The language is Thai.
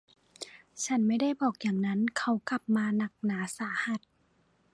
ฉันไม่ได้บอกอย่างนั้นเขากลับมาหนักหนาสาหัส